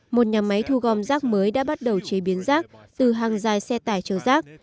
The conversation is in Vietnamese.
một nhà máy thu gom rác mới đã bắt đầu chế biến rác từ hàng dài xe tải chở rác